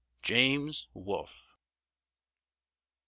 JAMES WOLFE.